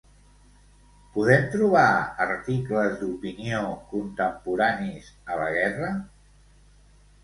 Podem trobar articles d'opinió contemporanis a la guerra?